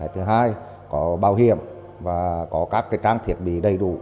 thứ hai có bảo hiểm và có các trang thiết bị đầy đủ